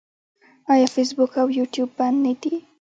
آیا فیسبوک او یوټیوب بند نه دي؟